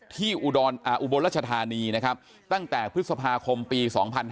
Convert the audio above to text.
อุบลรัชธานีนะครับตั้งแต่พฤษภาคมปี๒๕๕๙